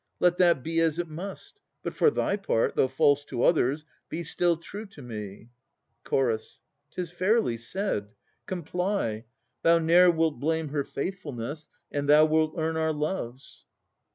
Let that be as it must. But for thy part, Though false to others, be still true to me. CH. 'Tis fairly said. Comply. Thou ne'er wilt blame Her faithfulness, and thou wilt earn our loves.